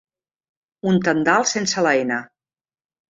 Un tendal sense la ena.